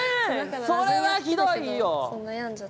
それはひどいよ。